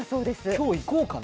今日行こうかな。